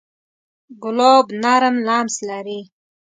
ګلاب نرم لمس لري.